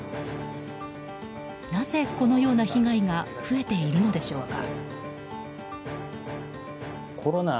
なぜ、このような被害が増えているのでしょうか。